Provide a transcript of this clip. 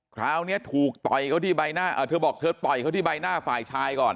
คราวนี้ถูกต่อยเขาที่ใบหน้าเธอบอกเธอต่อยเขาที่ใบหน้าฝ่ายชายก่อน